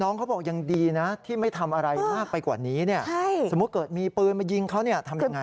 เขาบอกยังดีนะที่ไม่ทำอะไรมากไปกว่านี้เนี่ยสมมุติเกิดมีปืนมายิงเขาเนี่ยทำยังไง